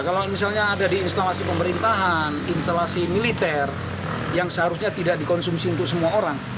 kalau misalnya ada di instalasi pemerintahan instalasi militer yang seharusnya tidak dikonsumsi untuk semua orang